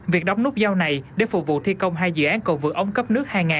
việc đóng nút dao này để phục vụ thi công hai dự án cầu vượt ống cấp nước hai